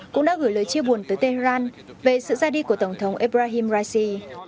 cũng đã gửi lời chia buồn tới tehran về sự ra đi của tổng thống ebrahim raisi